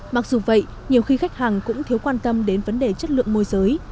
mặc dù vậy nhiều khi khách hàng cũng thiếu quan tâm đến vấn đề chất lượng môi giới